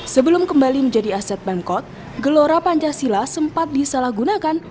sebelum kembali menjadi aset pemkot gelora pancasila sempat disalahgunakan